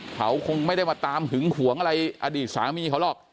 เขาคงไม่ได้มาตามหึงหวงอะไรอดีตสามีเขาหรอก